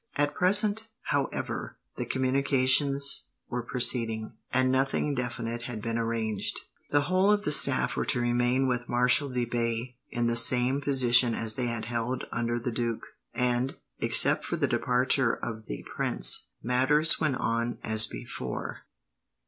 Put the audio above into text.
At present, however, the communications were proceeding, and nothing definite had been arranged. The whole of the staff were to remain with Marshal de Bay, in the same position as they had held under the duke, and, except for the departure of the prince, matters went on as before.